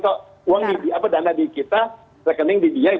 ke uang dana di kita rekening di biaya